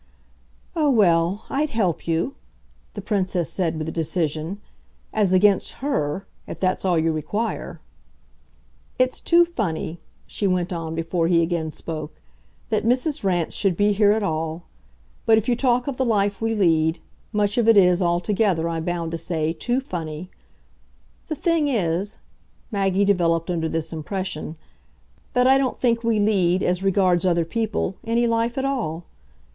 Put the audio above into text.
"Oh well, I'd help you," the Princess said with decision, "as against HER if that's all you require. It's too funny," she went on before he again spoke, "that Mrs. Rance should be here at all. But if you talk of the life we lead, much of it is, altogether, I'm bound to say, too funny. The thing is," Maggie developed under this impression, "that I don't think we lead, as regards other people, any life at all.